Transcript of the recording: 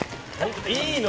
いいの？